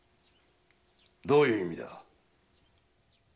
どういう意味だ？